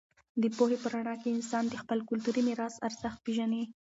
د پوهې په رڼا کې انسان د خپل کلتوري میراث ارزښت پېژني.